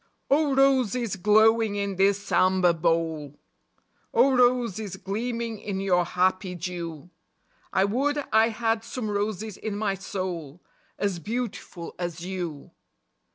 0 roses, glowing in this amber bowl ! O roses, gleaming in your happy dew ! 1 would I had some roses in my soul As beautiful as you.